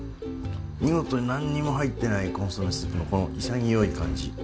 見事になんにも入ってないコンソメスープのこの潔い感じ。